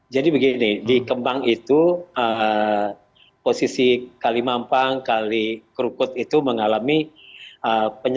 jadi begini di kemang itu posisi kali mampang kali kerukut itu mengalami penyebabnya